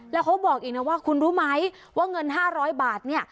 แล้วเขาบอกอีกนะว่าคุณรู้ไหมว่าเงิน๕๐๐บาทเนี่ย